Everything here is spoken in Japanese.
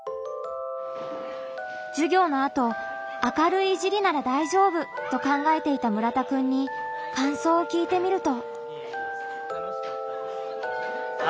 授業のあと「明るいいじりなら大丈夫」と考えていた村田くんにかんそうを聞いてみると。